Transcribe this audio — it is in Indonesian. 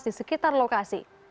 di sekitar lokasi